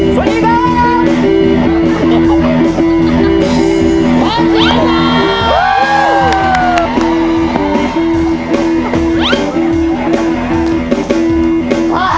สวัสดีครับ